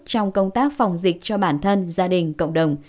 trong công tác phòng dịch cho bản thân gia đình cộng đồng